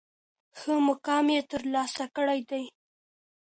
ښه مقام یې تر لاسه کړی دی.